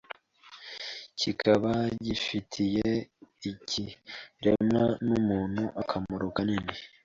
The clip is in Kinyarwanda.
kikaba gifitiye ikiremwa muntu akamaro kanini